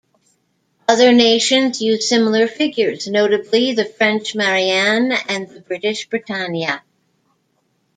Other nations used similar figures, notably the French Marianne and the British Britannia.